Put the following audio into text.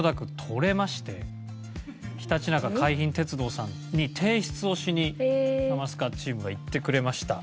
取れましてひたちなか海浜鉄道さんに提出をしにハマスカチームが行ってくれました。